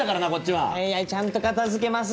はいちゃんと片付けますって。